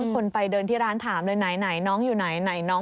คนไปเดินที่ร้านถามเลยไหนน้องอยู่ไหนน้อง